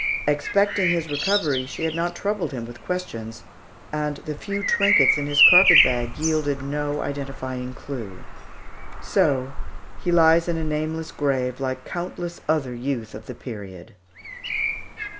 Expecting his recovery, she had not troubled him with questions, and the few trinkets in his carpet bag yielded no identifying clue. So he lies in a nameless grave, like countless other youth of that period.